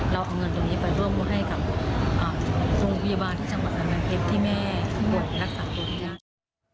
เราเอาเงินตรงนี้ไปร่วมกับโรงพยาบาลจังหวัดอำนาจเทพที่แม่รักษาโรงพยาบาล